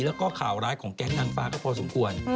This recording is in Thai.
แล้วก็ข่าวร้ายของแก๊งนางฟ้าก็พอสมควร